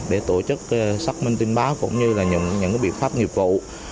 để tổ chức xác minh tin báo cũng như là những biện pháp nghiệp vụ